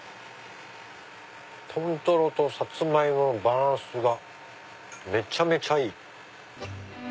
豚トロとサツマイモのバランスがめちゃめちゃいい！